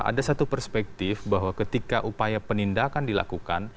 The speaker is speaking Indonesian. ada satu perspektif bahwa ketika upaya penindakan dilakukan